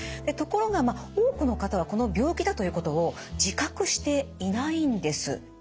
ところが多くの方はこの病気だということを自覚していないんです。